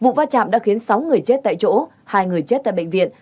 các chạm đã khiến sáu người chết tại chỗ hai người chết tại bệnh viện